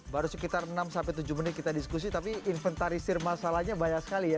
baru sekitar enam sampai tujuh menit kita diskusi tapi inventarisir masalahnya banyak sekali ya